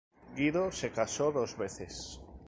Guido se casó dos veces.